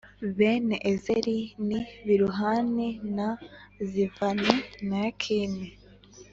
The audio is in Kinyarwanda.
Bene Eseri ni Biluhani na Z vani na Yakani